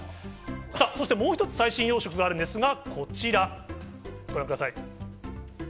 そして、もう一つ最新養殖があるんですが、こちらをご覧ください。